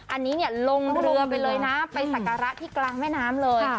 อันนี้เนี่ยลงเรือไปเลยนะไปสักการะที่กลางแม่น้ำเลย